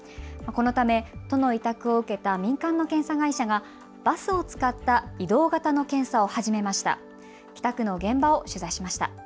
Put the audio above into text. このため都の委託を受けた民間の検査会社がバスを使った移動型の検査を始めました。